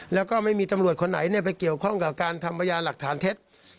แล้วก็ไม่มีตำรวจคนไหนไปเกี่ยวข้องกับการทำพยานหลักฐานเท็จ